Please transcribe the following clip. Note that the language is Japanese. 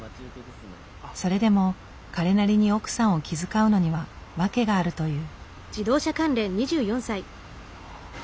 それでも彼なりに奥さんを気遣うのには訳があるという。